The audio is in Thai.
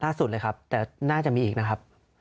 สุดเลยครับแต่น่าจะมีอีกนะครับ